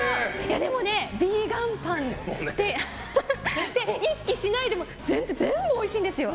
でも、ビーガンパンって意識しないでも全然、全部おいしいんですよ。